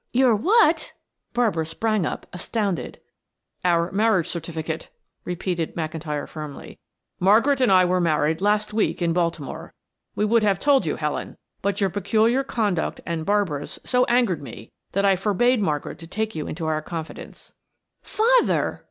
"Your what?" Barbara sprang up, astounded. "Our marriage certificate," repeated McIntyre firmly. "Margaret and I were married last week in Baltimore. We would have told you, Helen, but your peculiar conduct and Barbara's, so angered me that I forbade Margaret to take you into our confidence." "Father!"